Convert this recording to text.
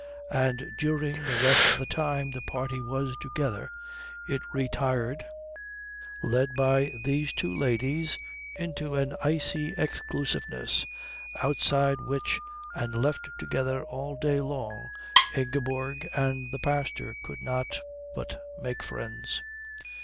And during the rest of the time the party was together it retired, led by these two ladies, into an icy exclusiveness, outside which and left together all day long Ingeborg and the pastor could not but make friends.